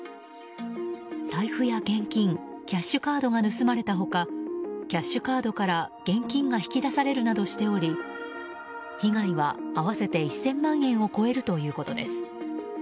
財布や現金、キャッシュカードが盗まれた他キャッシュカードから現金が引き出されるなどしており被害は合わせて１０００万円を超えるということです。